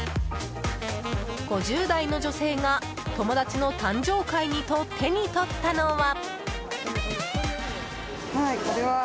５０代の女性が友達の誕生会にと手に取ったのは。